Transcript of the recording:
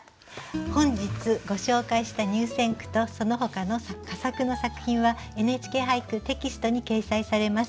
本日ご紹介した入選句とそのほかの佳作の作品は「ＮＨＫ俳句」テキストに掲載されます。